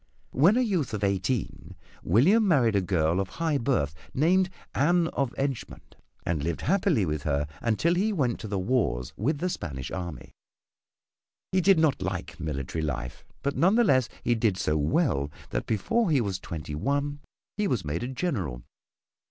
When a youth of eighteen William married a girl of high birth named Anne of Edgemont and lived happily with her until he went to the wars with the Spanish army. He did not like military life, but none the less he did so well that before he was twenty one he was made a General.